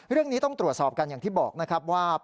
เรื่องนี้ต้องตรวจสอบกันอย่างที่บอกนะครับว่า